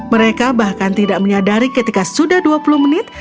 mereka bahkan tidak menyadari ketika sudah dua puluh menit